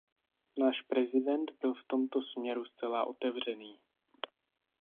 Náš prezident byl v tomto směru zcela otevřený.